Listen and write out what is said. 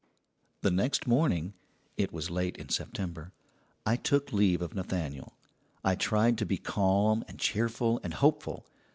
"The next morning it was late in September I took leave of Nathaniel. I tried to be calm and cheerful and hopeful.